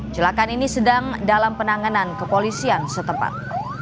celakaan ini sedang dalam penanganan kepolisian setempat